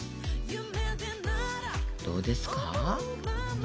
どうですか？